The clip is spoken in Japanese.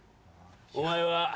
お前は。